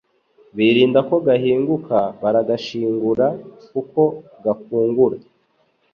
Birinda ko gahinguka Baragashingura kuko gakungura